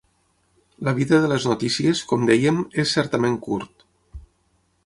La vida de les notícies, com dèiem, és certament curt.